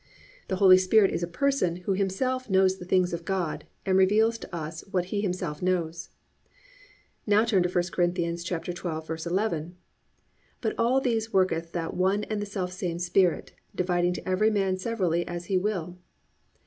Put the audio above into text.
The Holy Spirit is a Person who Himself knows the things of God and reveals to us what He Himself knows. (2) Now turn to 1 Cor. 12:11: +"But all these worketh that one and the selfsame Spirit, dividing to every man severally as He will."